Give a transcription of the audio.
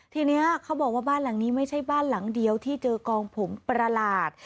ทีนี้เขาบอกว่าบ้านหลังนี้ไม่ใช่บ้านหลังเดียวที่เจอกองผมประหลาด